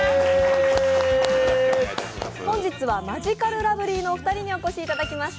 本日はマヂカルラブリーのお二人にお越しいただきました。